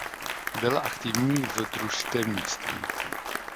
Byl aktivní v družstevnictví.